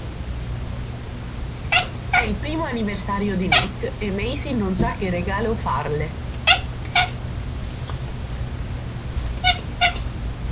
È il primo anniversario di Nick e Macy non sa che regalo farle.